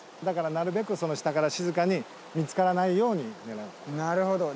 だからなるべくその下から静かに見つからないように狙う。